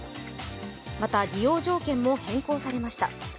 また、利用条件も変更されました。